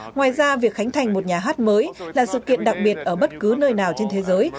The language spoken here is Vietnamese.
ngoài ra việc khánh thành một nhà hát mới là sự kiện đặc biệt ở bất cứ nơi nào trên thế giới